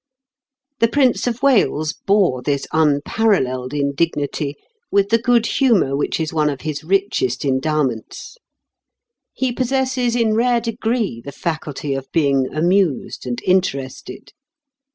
The Prince of Wales bore this unparalleled indignity with the good humour which is one of his richest endowments. He possesses in rare degree the faculty of being amused and interested.